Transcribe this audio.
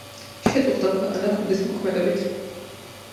შეწუხდა ქვეყანა ქურდის მოქმედებით